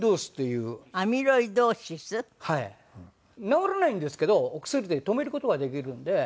治らないんですけどお薬で止める事はできるんで。